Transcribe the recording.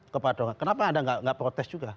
kenapa anda tidak protes juga